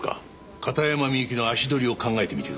片山みゆきの足取りを考えてみてください。